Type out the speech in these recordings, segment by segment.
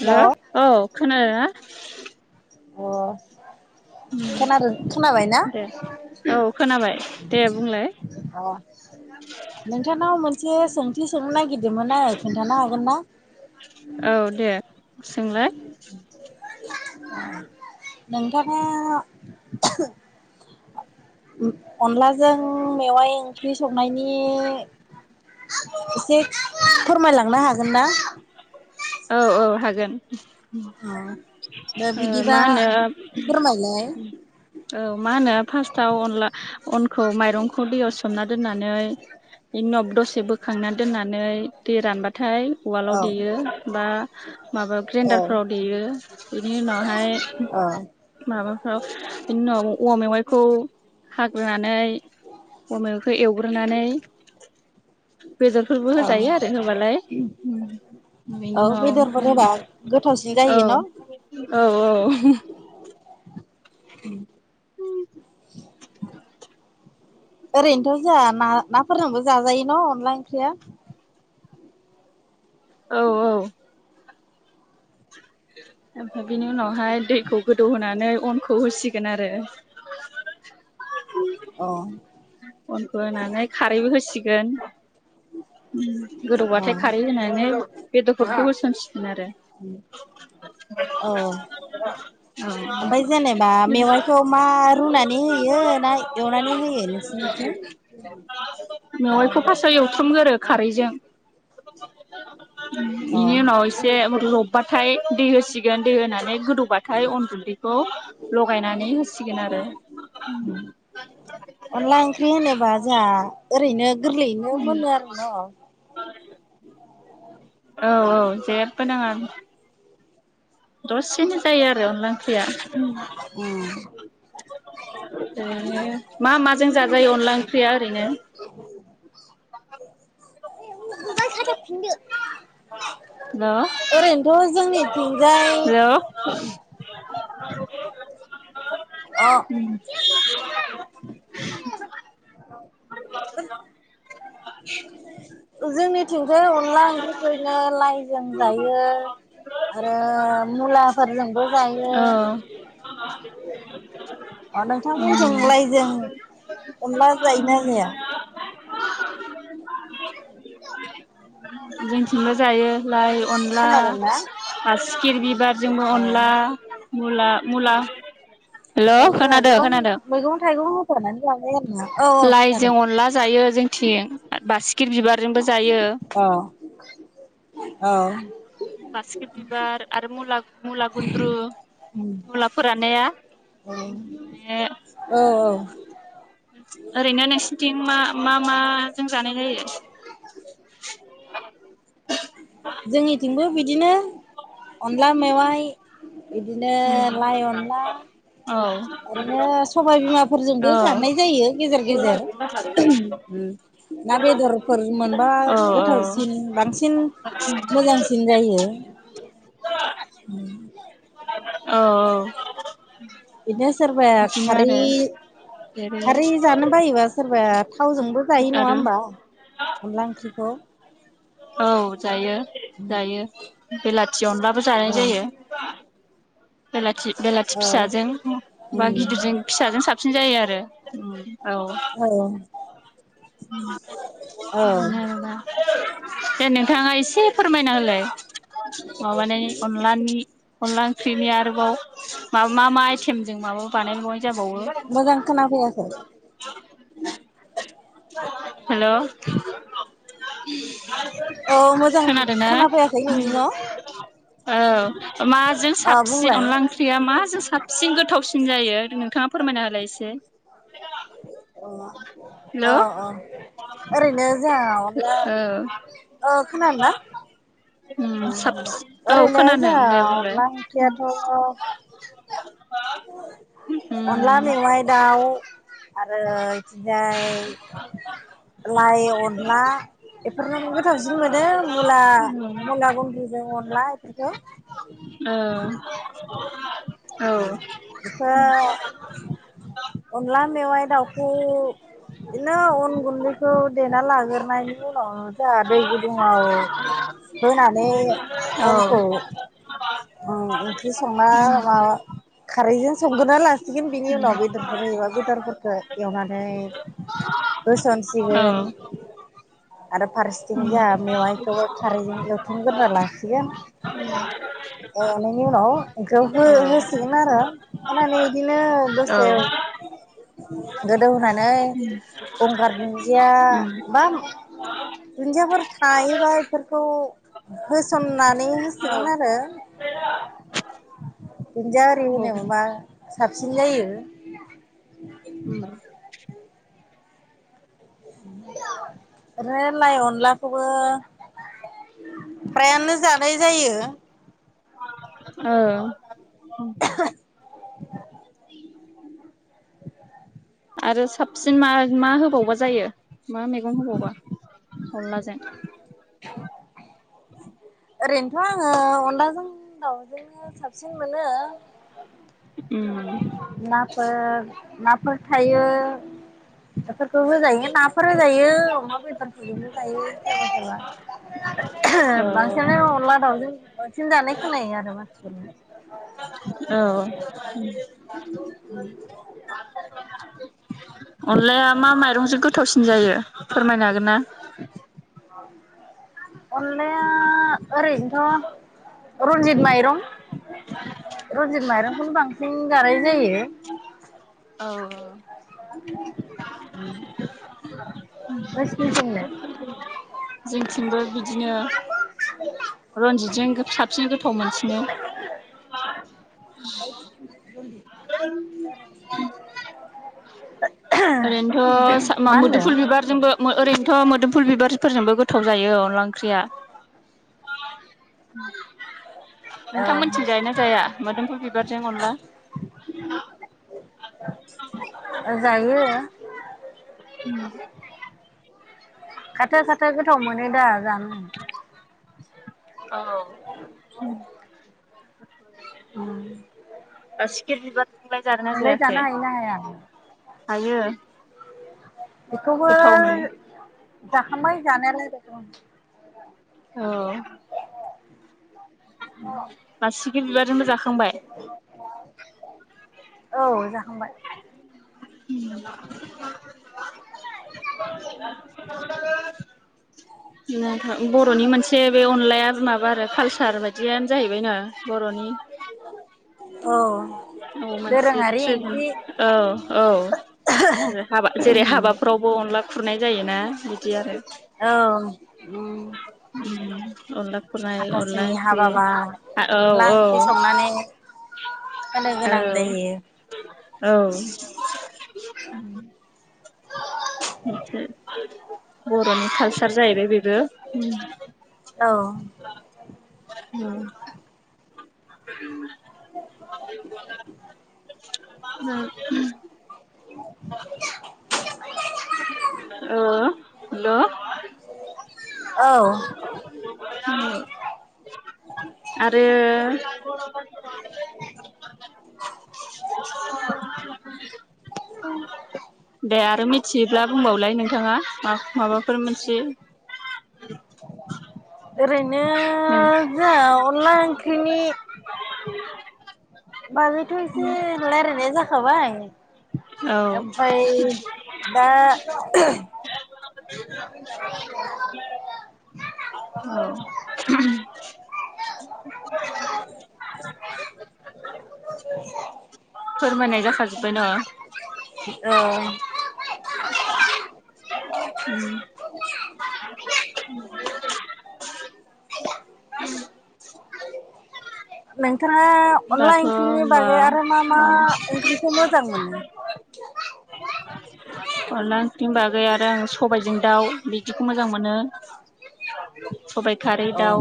हेल' औ खोनादों ना? अ खोनादो खोनाबाय ना दे औ खोनाबाय दे बुंलाय अ नोंथांनाव मोन से सोंथि सोंनो नागिर दोमोन आङो खोन्थानो हागोन ना? औ दे सोंलाय नोंथाङा अनलाजों मेवाइ ओंख्रि संनायनि इसे फोरमायलांनो हागोन ना? औ औ हागोन। अ दा ओ बिदिबा मा होनो फोरमायलाय औ मा होनो फास्टआव अनला अनखौ माइरंखौ दैयाव सोमना दोननानै इनि उनाव दसे बोखांना दोननानै दै रानबा थाय उवालाव औ देयो। बा माबा औ ग्रेन्डारफोराव देयो बिनि उनावहाय औ माबाफ्राव बिनि उनाव औवा मेवाइखौ खौ खाग्रोनानै औवा मेवाइखौ एवग्रोनानै बेदरफोरबो औ होजायो आरो होबालाय। औ बेनि बेदरफोर होबा गोथावसिन उनाव औ जायो न' औ औ उम ओरैनोथ' जाहा ना नाफोरजोंबो जाजायो न' अनला ओंख्रिया? औ औ ओमफ्राय बिनि उनावहाय दैखौ गोदौहोनानै अनखौ होसिगोन आरो। अ गोन। उम अ गोदौबाथाय खारै होनानै बेदरफोरखौ होसनसि आरो औ [inaudible] ओमफाय जेनेबा मेवाइखौ मा औ रुनानै होयो ना एवनानै होयो नोंसिनिखि? । मेवाइखौ फासआव एवथ्रम गोरो खारैजों। अ इनि उनाव इसे रब बाथाय दै होसिगोन दै होनानै गोदौबाथाय अन गुन्दैखौ लगायनानै होसिगोन आरो। जा ओरैनो गोरलैयैनो मोनो आरो न'। औ औ जेब्बो नाङा। दसेनो जायो आरो अनला ओंख्रिया। उम। ओरैनो मा माजों जाजायो अनला ओंख्रिया ओरैनो? [unintelligible] ओरैनोथ' जोंनिथिंजाय हेल' [inaudible] अ। [inaudible] [inaudible] औ जोंनि थिंबो अनला ओंख्रिखो इदिनो लाइजों जायो आरो मुला फोरजोंबो जायो। औ अ नोंथां मोनथिं उम लायजों अनला जायोना जाया? जोंथिंबो जायो। लाइ अनला खोनादोंना? बासिखिर बि बिबार जोंबो अनला। औ मुला मुला औ हेल' जोंहा खोनादों गोबां खोनादों मैगं थाइगं होफानानै जाबाय आरोना औ औ खोनादों। लाइजों अनला जायो जोंथिं बारसिगि बिबार। जोंबो जायो। औ [inaudible] बारसिगि बिबार आरो मुला मुला गुन्द्रु मुला फोराननाया बे औ ओरैनो नोंसोरनिथिं मा मा माजों जानाय जायो। [inaudible] जोंनिथिंबो बि बिदिनो अनला मेवाइ। बिदिनो औ लाइ अनला औ ओरैनो सबायबिमाफोरजोंबो जानाय जायो गेजेर गेजेर ओम ना बेदरफोर मोनबा औ गोथावसिन बांसिन मोजांसिन जायो। उम। औ औ। [inaudible] बिदिनो सोरबाया खारै जेरै खारै जानो बायोबा सोरबाया थावजोंबो जायो नंङा आरो होमबा अनला ओंख्रिखौ। औ। जायो जायो बेलाथि अनलाबो जानाय औ जायो। बेलाथि बेलाथि औ फिसाजों औ बा गिदिरजों फिसाजों साबसिन जायो आरो औ उम औ। दे नोंथांङा एसे फोरमायना होलाय माबानायनि अनलानि अनला ओंख्रि नि आरो औ मा मा आइ थेम जों माबा बानाय बय मोजां खोना फैयाखै। हेल' औ मोजां खोनादोंना खोनाफैयाखै उम नोंनिखौ ओ माजों अ साबसिन बुंलाय अनला ओंख्रिया माजों साबसिन गोथावसिन जायो? नोंथांङा फोरमायना होलाय। से औ हेल' औ ओरैनो जोहा मालाब्ला औ औ खोनादों ना‌। उम साबसिन औ ओरैनो जोहा खोनादों दे बुंलाय अनला ओंख्रियाथ' अनला उम मेवाइ दाउ आरो ओमफ्राय लाइ अनला बेफोर नो गोथावसिन मोनो मुला उम मुला गुन्द्रुजों अन ला इफोरखौ ओ औ बेखौ अनला मेवाइ दाउखौ दिनो अन गुन्दैखौ देना लाग्रोनायनि उनाव जा दै गुदुङाव होनानैे औ अनखौ उम ओंख्रि संना उम माबा खारैजों संग्रोना लासिगोन बेनि उनाव बेदरफोर एबा बेदरफोरखौ एवनानै होसन सिगोन औ आरो फारसेथिं उम जा मेवाइखौ खारैजों एवथुमग्रोना लासिगोन एवनायनि उनाव ओंख्रियाव औ औ हो-होसिगोन आरो होनानै इदिनो दसे उम गोदौ होनानै गंगार दुन्दिया बा दुन्दियाफोर थायोबा फोरखौ होसननानै होसिगोन आरो दुन्दिया आरि औ होनो मोनबा साबसिन जायो उम रो लाइ अनलाखौबो प्रायानो जानाय जायो ओं [inaudible] [inaudible] आरो साबसिन मा-मा होबावबा जायो मा मैगं होबावबा अनलाजों? ओरैनोथ' आङो अनलाजों दाउजोंनो साबसिन मोनो उम ओ नाफोर थायो बेफोरखौ होजायो नाफोर जायो अमा बेदरजोंनो जायो सोरबा सोरबा औ बां सिना अनला दावजों बांसिन जानाय खोनायो आरो मा [inaudible] औ अनलाया मा माइरंजों गोथावसिन जायो? फोरमायनो हागोनना? [inaudible] अनलाया ओरैनोथ' रनजित माइरं रनजित माइरंखौनो बांसिन जानाय जायो औ औ नोंसिनिथिंलाय जोंथिंबो बिदिनो रनजितजों साबसिन गोथाव मोनसिनो । [inaudible] ओरैनोथ' सा मा होनदों मोदुफुल बिबारजोंबो मो ओै आरैनो थ' मोदोमफुल बिबारफोरजोंबो गोथाव जायो अनदला ओंख्रिया । नोंथांमोनथिं जाय औ ना जाया मोदोमफुल बिबारजों अनला? [inaudible] जायो । उम खाथो खाथो गोथाव मोनोदा । जानो । औ उम । उम । खि बिबार नोंलाय जानो हायोना हाया? हायो । बेखौबो जाखांबाय जानायालाय । उम । औ । बासिगि बिबारजोंबो जाखांबाय । औ जाखांबाय । [inaudible] [unintelligible] बर'नि मोनसे बे अनलाया माबा आरो कालसार बायदियानो जाहैबायनो बर'नि अ । औ मोनसे ट्र औ औ हाबा जेरै हाबाफ्रावबो अनला खुरनाय जायोना बिदि आरो औ उम अनला । हातासुनि हाबाबा औ आनला औ ओंख्रि संनानै होननो गोनां जायो । औ उ । बर'नि कालसार जाहैबाय बेबो उम औ । उम । उम औ हेलौ औ। आरो दे आरो मिथियोब्ला बुंबावलाय नोंथाङा माबाफोर मिथियो? ओरै नो जोहा अनला ओंख्रिनि बाजायथ' एसे रायलायनाया जाखाबाय औ ओमफ्राय दा [inaudible] औ। [inaudible] [inaudible] फोरमायनाय जाखाजोबबाय ना? औ। न' नोंथां या अनला दाथ' ओंख्रिनि होमबा बागै आरो मा मा औ उनख्रिखौ मोजां मोनो? अनला ओंख्रिनि बागै आरो आङो सबायजों दाउ बिदिखौ मोजां मोनो। सबायाइ खारै औ दाउ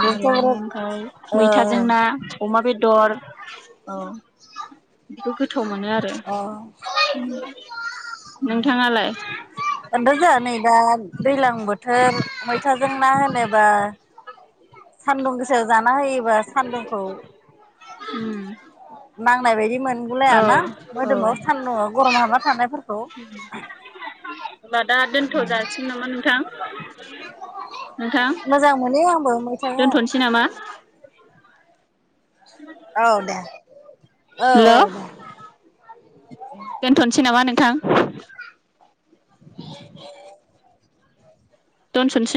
बेथ' ओरैनो बिराद ओमफ्राय ओ मैथाजों ना अमा बे दर अ। बिदिखौ गोथाव मोनो आरो। अ [inaudible] नोंथाङालाय? बेन्थ' जों नै दा दैज्लां बोथोर मैथाजों ना होनोबा सान्दुं गोसायाव जा ना होयोबा सान्दुंखौ उम नांनाय बायदि औ मोनगुलायाना औ मोदोमाव होमबा सान्दुंया गरम हाबना थानायफोर [unintelligible] होनबा दा दोनथ' जाासिगोन नामा नोंथां? नोंथां मोजां मोनो आंबो मैथाखौ दोनथ'सै नामा? औ दे। औ औ दे। दोनथ'नोसै नामा नोंथां? [inaudible] दोनसनोसै।